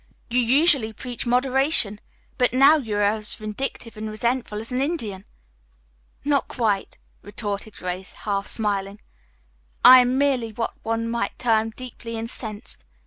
"You usually preach moderation, but now you are as vindictive and resentful as an Indian." "Not quite," retorted Grace, half smiling. "I am merely what one might term 'deeply incensed.'